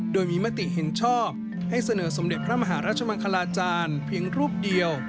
โดยมีมติเห็นชอบให้เสนอสมเด็จพระมหาราชมังคลาจารย์เพียงรูปเดียว